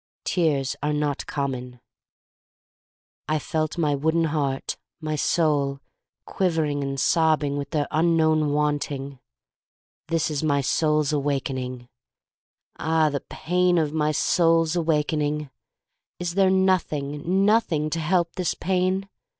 Tears are not common. I felt my wooden heart, my soul, quivering and sobbing with their un known wanting. This is my soul's lOO THE STORY OF MARY MAC LANE awakening. Ah, the pain of my soul's awakening! Is there nothing, nothing to help this pain?